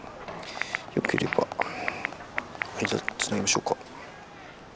よければ間をつなぎましょうか？」。